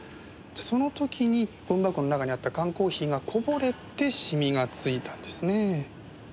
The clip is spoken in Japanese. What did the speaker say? その時にゴミ箱の中にあった缶コーヒーがこぼれて染みがついたんですね。